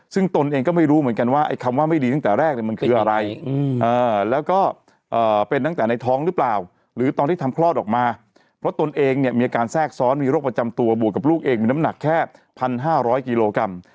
ซึ่งตนเองก็ไม่รู้เหมือนกันว่าไอ้คำว่าไม่ดีตั้งแต่แรกมันคืออะไรแล้วก็เป็นตั้งแต่ในท้องหรือเปล่าหรือตอนที่ทำคลอดออกมาเพราะตนเองเนี่ยมีอาการแทรกซ้อนมีโรคประจำตัวบวกกับลูกเองมีน้ำหนักแค่๑๕๐๐กิโลกรัม